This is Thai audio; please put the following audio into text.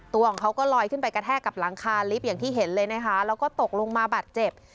ตัวของเขาก็ลอยขึ้นไปกระแทกกับหลังคาลิฟต์อย่างที่เห็นเลยนะคะแล้วก็ตกลงมาบาดเจ็บ